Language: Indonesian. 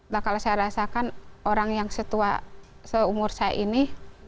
bakal saya rasakan orang yang setua seumur saya ini